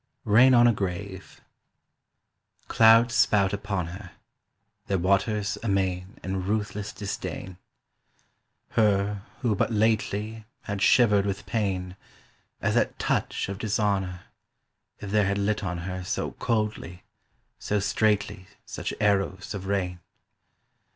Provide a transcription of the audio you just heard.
RAIN ON A GRAVE CLOUDS spout upon her Their waters amain In ruthless disdain,— Her who but lately Had shivered with pain As at touch of dishonour If there had lit on her So coldly, so straightly Such arrows of rain.